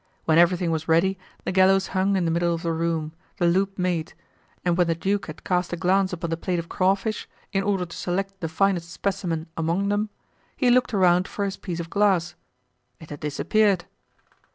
When everything was ready, the gallows hung in the middle of the room, the loop made, and when the duke had cast a glance upon the plate of crawfish, in order to select the finest specimen among them, he looked around for his piece of glass; it had disappeared.